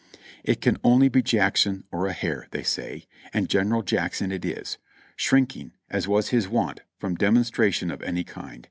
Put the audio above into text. '"It can only be Jackson or a hare," they say. and General Jack son it is, shrinking, as was his wont, from demonstration of any kind.